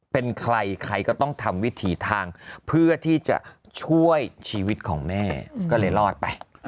เป็นใครใครก็ต้องทำวิถีทางเพื่อที่จะช่วยชีวิตของแม่ก็เลยรอดไป